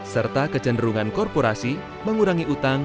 serta kecenderungan korporasi mengurangi utang